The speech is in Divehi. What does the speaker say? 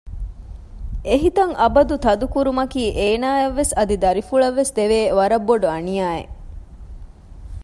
އެހިތަށް އަބަދު ތަދުކުރުމަކީ އޭނައަށްވެސް އަދި ދަރިފުޅަށްވެސް ދެވޭ ވަރަށް ބޮޑު އަނިޔާއެއް